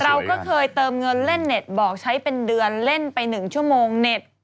เราก็เคยเติมเงินเล่นเน็ตบอกใช้เป็นเดือนเล่นไป๑ชั่วโมงเน็ต